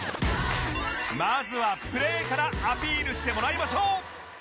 まずはプレーからアピールしてもらいましょう